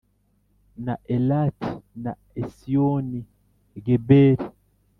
na Elati na Esiyoni-Geberi. “